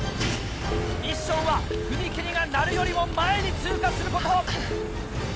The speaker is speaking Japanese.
ミッションは踏切が鳴るよりも前に通過すること。